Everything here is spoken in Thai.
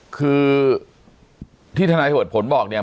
คือที่ธนายโหดผลบอกแบบนี้